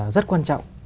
rất quan trọng